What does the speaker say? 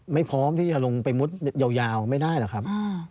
พร้อมที่จะลงไปมุดยาวไม่ได้หรอกครับ